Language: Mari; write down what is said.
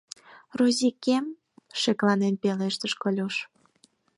— Розикем, — шекланен пелештыш Колюш.